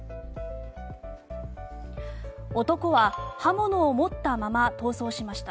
男は刃物を持ったまま逃走しました。